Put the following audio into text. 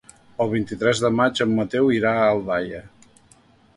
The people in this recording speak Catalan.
El vint-i-tres de maig en Mateu irà a Aldaia.